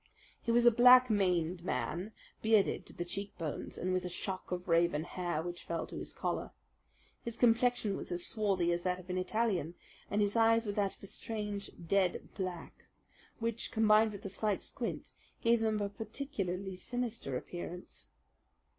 He was a black maned giant, bearded to the cheek bones, and with a shock of raven hair which fell to his collar. His complexion was as swarthy as that of an Italian, and his eyes were of a strange dead black, which, combined with a slight squint, gave them a particularly sinister appearance.